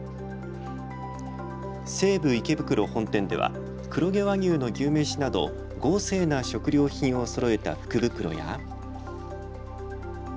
西武池袋本店では黒毛和牛の牛めしなど豪勢な食料品をそろえた福袋や。